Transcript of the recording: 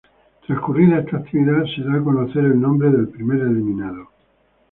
Transcurrida esta actividad, se da a conocer el nombre del primer eliminado.